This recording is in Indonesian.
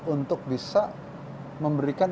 untuk bisa memberikan